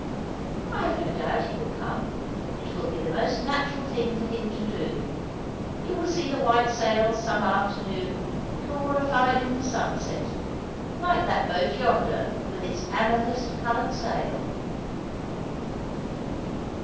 "I have no doubt he will come. It will be the most natural thing for him to do. You will see the white sails some afternoon, glorified in the sunset, like that boat yonder with its amethyst coloured sail.'